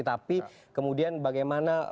tapi kemudian bagaimana